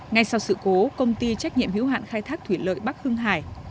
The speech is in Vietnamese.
ngay sau sự cố công ty trách nhiệm hiếu hạn khai thác thủy lợi bắc hưng hải